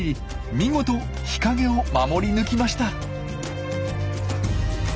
見事日陰を守り抜きました。